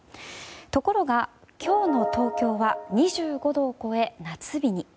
ところが、今日の東京は２５度を超え、夏日に。